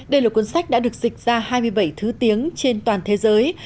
đây là cuốn sách đã được dịch ra hai mươi bảy thứ tiếng trên toàn thế giới